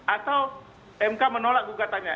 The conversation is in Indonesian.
atau mk menolak gugatannya